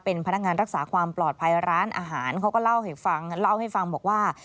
เป็นพนักงานรักษาความปลอดภัยร้านอาหารเขาก็เล่าให้ฟังเล่าให้ฟังบอกว่า